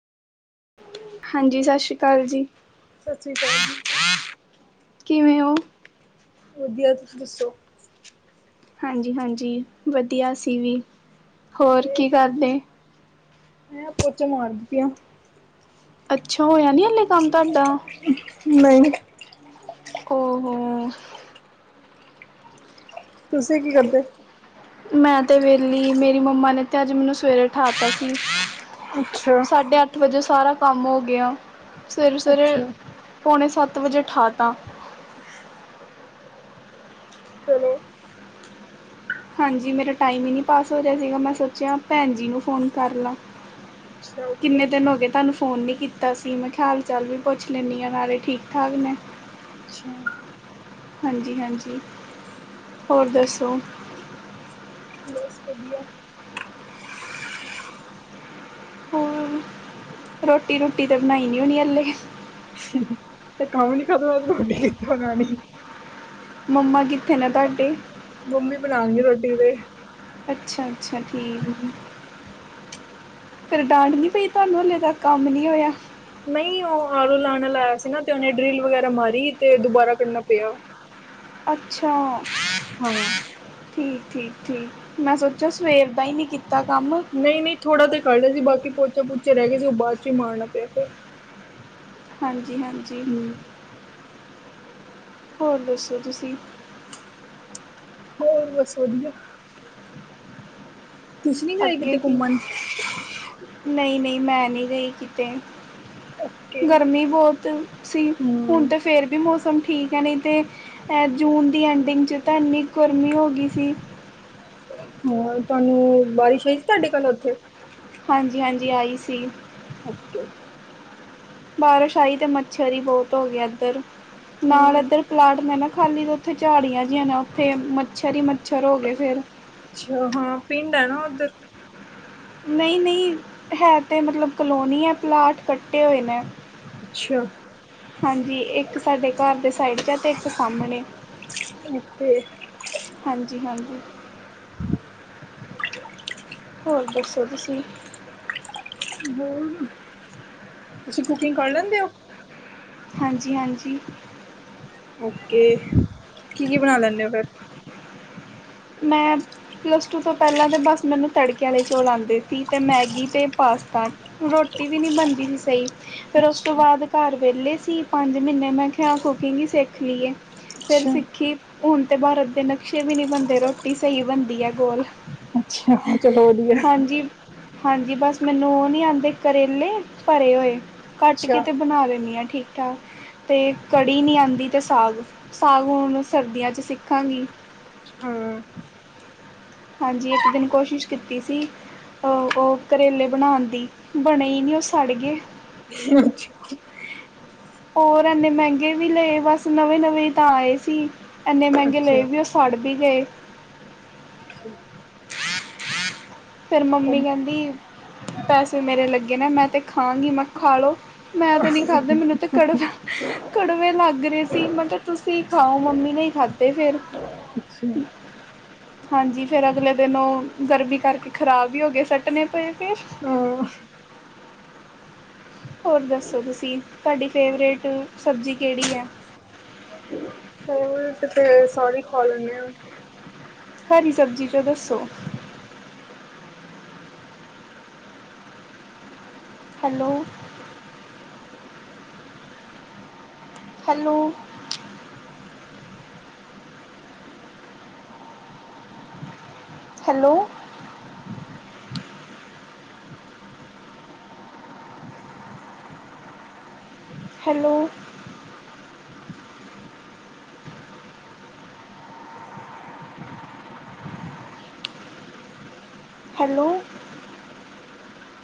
ਹਾਂਜੀ, ਸਤਿ ਸ਼੍ਰੀ ਅਕਾਲ ਜੀ। ਸਤਿ ਸ਼੍ਰੀ ਅਕਾਲ ਜੀ। ਕਿਵੇਂ ਉਹ? ਵਧੀਆ ਤੁਸੀਂ ਦੱਸੋ ਹਾਂਜੀ -ਹਾਂਜੀ ਵਧੀਆ ਸੀ ਵੀ ਹੋਰ ਓਕੇ ਕੀ ਕਰਦੇ ਮੈਂ ਪੋਚੇ ਮਾਰਦੀ ਪਈ ਹਾ ਅੱਛਾ ਹੋਇਆ ਨਹੀਂ ਹੱਲੇ ਕੰਮ ਤੁਹਾਡਾ ਨਹੀਂ ਓ ਹੋੋ ਤੁਸੀਂ ਕੀ ਕਰਦੇ ਮੈਂ ਤੇ ਵੇਲੀ ਮੇਰੀ ਮੰਮਾ ਨੇ ਤੇ ਅੱਜ ਮੈਨੂੰ ਸਵੇਰੇ ਉਠਾ ਦਿਤਾ ਸੀ ਅੱਛਾ ਸਾਢੇ ਅੱਠ ਵਜੇ ਸਾਰਾ ਕੰਮ ਹੋ ਗਿਆ ਸਵੇਰੇ- ਸਵੇਰੇ ਅੱਛਾ ਪੌਣੇ ਸੱਤ ਵਜੇ ਠਾ ਤਾਂ ਚਲੋ ਹਾਂਜੀ। ਮੇਰਾ ਟਾਈਮ ਈ ਨੀ ਪਾਸ ਹੋ ਰਿਆ ਸੀਗਾ। ਮੈਂ ਸੋਚਿਆ ਭੈਣ ਜੀ ਨੂੰ ਫੋਨ ਕਰ ਲਾਂ। [inaudible] ਕਿੰਨੇ ਦਿਨ ਹੋ ਗੇ ਤਾਨੂੰ ਫੋਨ ਨੀ ਕੀਤਾ ਸੀ। ਮੈਂ ਕਿਹਾ ਹਾਲ ਚਾਲ ਵੀ ਪੁੱਛ ਲੈਣੀ ਆ ਨਾਲੇ ਠੀਕ ਠਾਕ ਨੇ। [inaudible] ਹਾਂਜੀ -ਹਾਂਜੀ। ਹੋਰ ਦੱਸੋ? ਬਸ ਵਧੀਆ। ਹਮ। ਰੋਟੀ ਰੂਟੀ ਤੇ ਬਣਾਈ ਨੀ ਹੋਣੀ ਹੱਲੇ। ਤੇ ਕੰਮ ਨੀ ਖਤਮ ਹੁੰਦਾ। ਰੋਟੀ ਕੀ ਬਨਾਨੀ। ਮੰਮਾ ਕਿੱਥੇ ਨੇ ਤਾਡੇ? ਮੰਮੀ ਬਣਾਣਗੇ ਰੋਟੀ ਤੇ। ਅੱਛਾ-ਅੱਛਾ ਠੀਕ। ਹਾਂਜੀ ਫਿਰ ਡਾਂਟ ਨੀ ਪਈ ਤੁਆਨੂੰ ਹਲੇ ਤੱਕ ਕੰਮ ਨੀ ਹੋਇਆ? ਨਈ ਉਹ ਆਰੂ ਲਾਣ ਅਲਾ ਆਇਆ ਸੀ ਨਾ ਤੇ ਉਹਨੇ ਡਰਿਲ ਵਗੈਰਾ ਮਾਰੀ ਤੇ ਦੁਬਾਰਾ ਕੱਢਨਾ ਪਿਆ। ਅੱਛਾ। ਹਾਂ। ਠੀਕ-ਠੀਕ-ਠੀਕ। ਮੈਂ ਸੋਚਿਆ ਸਵੇਰ ਦਾ ਈ ਨੀ ਕੀਤਾ ਕੰਮ। ਨਈ ਨੀ ਥੋੜਾ ਜਾ ਕੱਢ ਲਿਆ ਸੀ। ਬਾਕੀ ਪੋਚਾ ਪੋਚੇ ਰਹਿ ਗਏ ਸੀ ਉਹ ਬਾਅਦ ਚੋ ਈ ਮਾਰਨਾ ਪਿਆ ਫੇਰ। ਹਾਂਜੀ-ਹਾਂਜੀ। ਹੂੰ ਹੋਰ ਦੱਸੋ ਤੁਸੀਂ? ਹੋਰ ਬਸ ਵਧੀਆ। ਤੁਸੀਂ ਨੀ ਗਏ ਅੱਗੇ ਕਿਤੇ ਕੀ ਘੁੰਮਣ? ਨਈ ਨਈ ਮੈਂ ਨਈ ਗਈ ਕਿਤੇ। ਓਕੇ। ਗਰਮੀ ਬਹੁਤ ਸੀ, ਹੁਣ ਹੂੰ, ਤਾਂ ਫੇਰ ਵੀ ਮੌਸਮ ਠੀਕ ਹੈ ਨਹੀਂ ਤੇ। ਅਤੇ ਜੂਨ ਦੀ ਐਂਡਿੰਗ 'ਚ ਤਾਂ ਇੰਨੀ ਗੁਰਮੀ ਹੋ ਗਈ ਸੀ। ਹਾਂ, ਤੁਹਾਨੂੰ ਬਾਰਿਸ਼ ਆਈ ਸੀ ਤੁਹਾਡੇ ਕੋਲ ਉੱਥੇ ਹਾਂਜੀ ਹਾਂਜੀ ਆਈ ਸੀ। ਓਕੇ [unintelligible] ਬਾਰਿਸ਼ ਆਈ ਤੇ ਮੱਛਰ ਹੀ ਬਹੁਤ ਹੋ ਗਿਆ ਇੱਧਰ, ਨਾਲ ਹਾਂ, ਇੱਧਰ ਪਲਾਟ ਮੈਂ ਨਾ ਖਾਲੀ ਤੋਂ ਉੱਥੇ ਝਾੜੀਆਂ ਜਿਹੀ ਨਾ, ਉੱਥੇ ਮੱਛਰ ਹੀ ਮੱਛਰ ਹੋ ਗਏ ਫਿਰ ਅੱਛਾ ਹਾਂ, ਪਿੰਡ ਹੈ ਨਾ ਉੱਧਰ ਨਹੀਂ ਨਹੀਂ ਹੈ ਤੇ ਮਤਲਬ ਕਲੋਨੀ ਹੈ, ਪਲਾਟ ਕੱਟੇ ਹੋਏ ਨੇ ਅੱਛਾ। ਹਾਂਜੀ, ਇੱਕ ਸਾਡੇ ਘਰ ਦੇ ਸਾਈਡ ਚ ਆ ਅਤੇ ਇੱਕ ਸਾਹਮਣੇ ਓਕ ਹਾਂਜੀ ਹਾਂਜੀ [inaudible] ਹੋਰ ਦੱਸੋ ਤੁਸੀਂ? ਬੋਲ--ਤੁਸੀਂ ਕੁਕਿੰਗ ਕਰ ਲੈਂਦੇ ਔ? ਹਾਂਜੀ-ਹਾਂਜੀ। ਓਕੇ। ਕੀ-ਕੀ ਬਣਾ ਲੈਣੇ ਔ ਫੇਰ? [inaudible] ਮੈਂ। ਪਲੱਸ ਟੂ ਤੋਂ ਪਹਿਲਾਂ ਤਾਂ ਬਸ ਮੈਨੂੰ ਤੜਕੇ ਵਾਲੇ ਚੌਲ ਆਉਂਦੇ ਸੀ, ਅਤੇ ਮੈਗੀ ਅਤੇ ਪਾਸਤਾ ਰੋਟੀ ਵੀ ਨਹੀਂ ਬਣਦੀ ਸੀ ਸਹੀ ਫੇਿਰ ਉਸ ਤੋਂ ਅੱਛਾ, ਬਾਅਦ ਘਰ ਵਿਹਲੇ ਸੀ ਪੰਜ ਮਹੀਨੇ, ਮੈਂ ਕਿਹਾ, ਕੁਕਿੰਗ ਸਿੱਖ ਲਈਏ ਫਿਰ ਅੱਛਾ, ਸਿੱਖੀ, ਹੁਣ ਤਾਂ ਭਾਰਤ ਦੇ ਨਕਸ਼ੇ ਵੀ ਨਹੀਂ ਬਣਦੇ ਰੋਟੀ ਸਹੀ ਬਣਦੀ ਹੈ ਗੋਲ, ਅੱਛਾ ਚਲੋ ਵਧੀਆ ਹਾਂਜੀ ਹਾਂਜੀ, ਬਸ ਮੈਨੂੰ ਉਹ ਨਹੀਂ ਆਉਂਦੇ ਕਰੇਲੇ ਭਰੇ ਹੋਏ ਕੱਟ ਅੱਛਾ। ਕੇ ਤਾਂ ਬਣਾ ਦਿੰਦੀ ਹਾਂ, ਠੀਕ ਮਠਾ ਅਤੇ ਕੜੀ ਨਹੀਂ ਆਉਂਦੀ ਤੇ ਸਾਗ, ਸਾਗ ਹੁਣ ਸਰਦੀਆਂ 'ਚ ਸਿੱਖਾਂਗੀ। ਛਾਂ ਅ ਹਾਂਜੀ, ਇੱਕ ਦਿਨ ਕੋਸ਼ਿਸ਼ ਕੀਤੀ ਸੀ। ਉਹ ਕਰੇਲੇ ਬਣਾਉਣ ਦੀ, ਬਣੇ ਨਹੀਂ ਉਹ ਸਾੜ ਗਏ। ਅੱਛਾ ਹੋਰ ਇਨੇ ਮਹਿੰਗੇ ਵੀ ਲਏ, ਬਸ ਨਵੇਂ ਨਵੇਂ ਤਾਂ ਆਏ ਸੀ। ਇੰਨੇ ਮਹਿੰਗੇ ਲਏ ਅੱਛਾ, ਵੀ ਉਹ ਸਾੜ ਵੀ ਗਏ। [unintelligible] ਫਿਰ ਮੰਮੀ ਕਹਿੰਦੀ, ਪੈਸੇ ਮੇਰੇ ਲੱਗੇ ਨੇ, ਮੈਂ ਤਾਂ ਖਾਂਗੀ, ਮੈਂ ਖਾ ਲਉ ਮੈਂ ਤੇ ਨੀ ਖਾਧਾ, ਮੈਨੂੰ ਤੇ ਕੜ [unintelligible] ਕੜਵੇ ਲੱਗ ਰਹੇ ਸੀ, ਮੈਂ ਕਿਹਾ, ਤੁਸੀਂ ਖਾਓ, ਮੰਮੀ ਨੇ ਹੀ ਖਾਧੇ ਫਿਰ। ਅੱਛਾ ਹਾਂਜੀ, ਫੇਰ ਅਗਲੇ ਦਿਨ ਉਹ ਗਰਮੀ ਕਰਕੇ ਖ਼ਰਾਬ ਹੀ ਹੋ ਗਏ, ਸੱਟਣੇ ਪਏ ਫਰ ਹਾਂ ਹੋਰ ਦੱਸੋ ਤੁਸੀਂ ਤੁਹਾਡੀ ਫੇਵਰੇਟ ਸਬਜ਼ੀ ਕਿਹੜੀ ਹੈ, ਉਲਟ ਤੇ ਸਾਰੇ ਈ ਖਾ ਲੈਨੇ ਆਂ। ਹਰੀ ਸਬਜ਼ੀ ਚੋ ਦੱਸੋ? Hello. Hello. Hello. Hello. Hello.